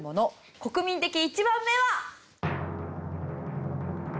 国民的１番目は。